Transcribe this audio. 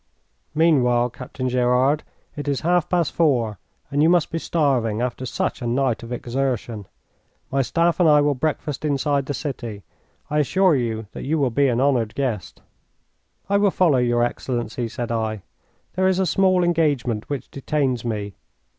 "Meanwhile, Captain Gerard, it is half past four, and you must be starving after such a night of exertion. My staff and I will breakfast inside the city. I assure you that you will be an honoured guest." "I will follow your Excellency," said I. "There is a small engagement which detains me."